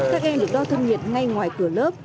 các em được đo thân nhiệt ngay ngoài cửa lớp